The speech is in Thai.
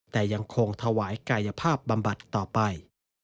แต่ยังคงถวายกายภาพบำบัดต่อไป